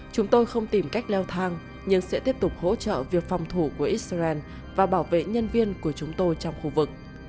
chúng tôi không tìm cách leo thang nhưng sẽ tiếp tục hỗ trợ việc phòng thủ của israel và bảo vệ nhân viên của chúng tôi trong khu vực